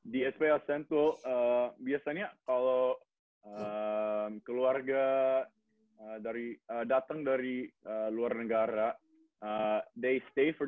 di sps sentul biasanya kalo keluarga datang dari luar negara mereka tinggal dua tahun